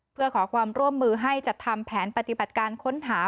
เพื่อขอความร่วมมือให้จัดทำแผนปฏิบัติการค้นหา